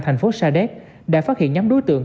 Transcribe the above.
thành phố sa đéc đã phát hiện nhóm đối tượng